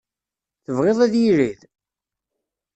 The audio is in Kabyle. Tebɣiḍ ad irid?